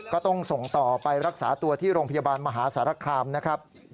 ก็ต้องส่งต่อไปรักษาตัวที่โรงพยาบาลมหาสารคามนะครับ